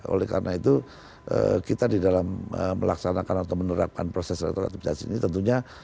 oleh karena itu kita di dalam melaksanakan atau menerapkan proses restoratif justice ini tentunya